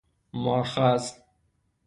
ماخذ